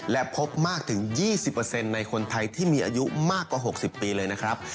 และพบมากถึง๒๐ในคนไทยที่มีอายุมากกว่า๖๐ปีเลยนะครับ